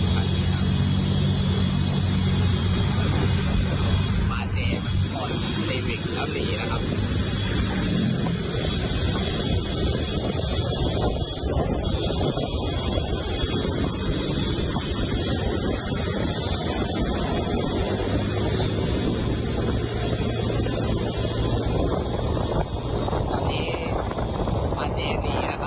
ร่วมรอบรอบร้อยนะครับ